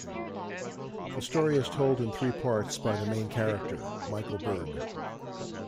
The story is told in three parts by the main character, Michael Berg.